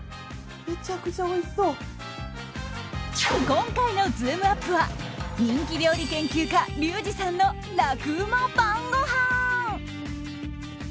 今回のズームＵＰ！は人気料理研究家リュウジさんの楽ウマ晩ごはん。